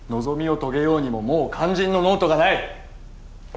望みを遂げようにももう肝心のノートがない。